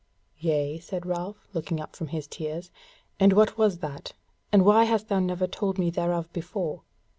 "Yea," said Ralph, looking up from his tears, "and what was that? and why hast thou never told me thereof before?"